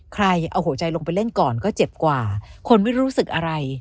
ใครเอาหัวใจลงไปเล่นก่อนก็เจ็บกว่าคนไม่รู้สึกอะไร